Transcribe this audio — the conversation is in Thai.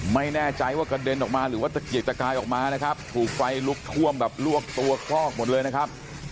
ไม่แน่ใจว่ากระเด็นออกมาหรือว่าตะเกียกตะกายออกมานะครับถูกไฟลุกท่วมแบบลวกตัวคลอกหมดเลยนะครับ